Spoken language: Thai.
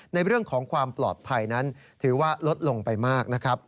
ในเรื่องของความปลอดภัยนั้นถือว่าลดลงไปมากนะครับ